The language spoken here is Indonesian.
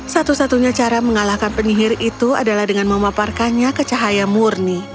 satu satunya cara mengalahkan penyihir itu adalah dengan memaparkannya ke cahaya murni